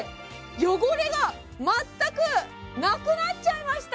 汚れが全くなくなっちゃいました！